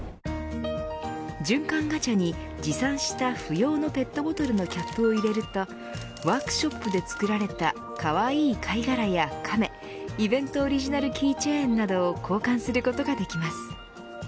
循環ガチャに持参した不要のペットボトルのキャップを入れるとワークショップで作られたかわいい貝殻やカメイベントオリジナルキーチェーンなどを交換することができます。